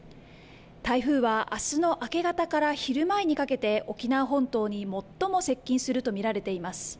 台風はあすの明け方から昼前にかけて沖縄本島に最も接近すると見られています。